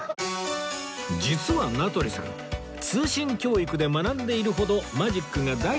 実は名取さん通信教育で学んでいるほどマジックが大好き